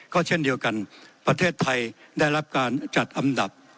ก็เช่นเดียวกันประเทศไทยได้รับการจัดอันดับ